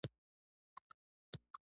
ستاسې په اړه ما اورېدلي و